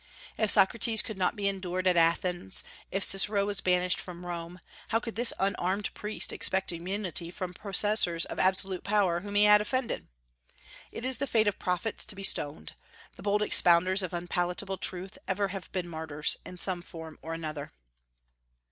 If Socrates could not be endured at Athens, if Cicero was banished from Rome, how could this unarmed priest expect immunity from the possessors of absolute power whom he had offended? It is the fate of prophets to be stoned. The bold expounders of unpalatable truth ever have been martyrs, in some form or other.